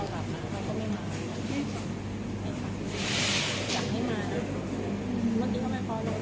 จะเอาเขาไปไว้ก่อนหลัง